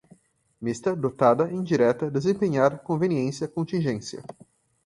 mista, dotada, indireta, desempenhar, conveniência, contingência